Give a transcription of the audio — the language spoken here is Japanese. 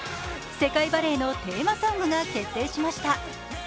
世界バレーのテーマソングが決定しました。